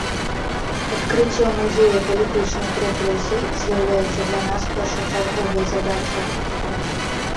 Адкрыццё музея палітычных рэпрэсій з'яўляецца для нас першачарговай задачай.